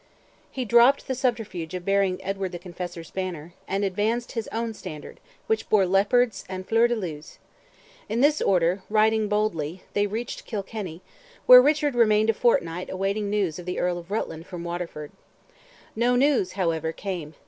He dropped the subterfuge of bearing Edward the Confessor's banner, and advanced his own standard, which bore leopards and flower de luces. In this order, "riding boldly," they reached Kilkenny, where Richard remained a fortnight awaiting news of the Earl of Rutland from Waterford. No news, however, came.